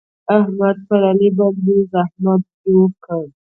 احمد پر علي باندې زحمت جوړ کړ.